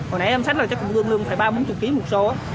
hồi nãy em sách là chắc cũng gương lương phải ba bốn mươi kg một xô